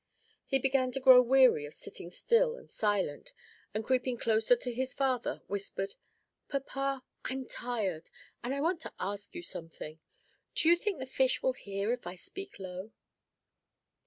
He began to grow weary of sitting still and silent, and creeping closer to his father whispered, "Papa, I'm tired, and I want to ask you something. Do you think the fish will hear if I speak low?"